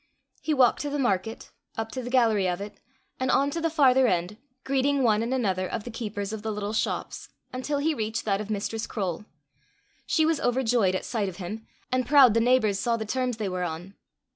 He walked to the market, up to the gallery of it, and on to the farther end, greeting one and another of the keepers of the little shops, until he reached that of Mistress Croale. She was overjoyed at sight of him, and proud the neighbours saw the terms they were on.